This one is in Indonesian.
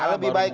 ya lebih baik